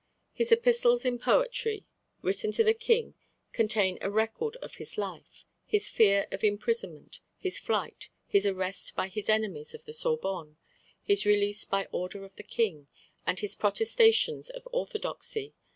His epistles in poetry written to the King contain a record of his life, his fear of imprisonment, his flight, his arrest by his enemies of the Sorbonne, his release by order of the King, and his protestations of orthodoxy.